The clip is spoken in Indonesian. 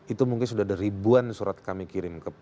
itu mungkin sudah ada ribuan surat kami kirim